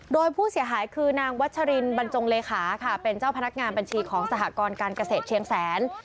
โดยผู้เสียหายคือนางวัชรินบรรจงเลขาค่ะเป็นเจ้าพนักงานบัญชีของสหกรการเกษตรเชียงแสน